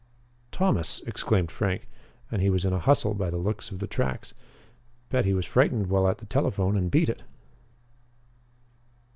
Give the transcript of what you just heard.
"Thomas!" exclaimed Frank. "And he was in a hustle, by the looks of the tracks. Bet he was frightened while at the telephone and beat it."